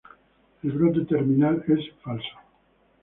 El brote terminal es falso.